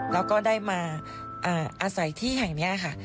แล้วก็ได้มาอาศัยที่แห่งนี้ค่ะ